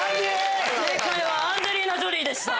正解はアンジェリーナ・ジョリーでした。